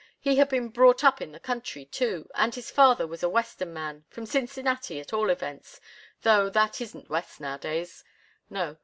He had been brought up in the country, too, and his father was a Western man from Cincinnati, at all events, though that isn't West nowadays. No.